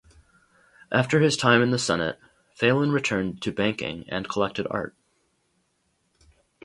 After his time in the Senate, Phelan returned to banking and collected art.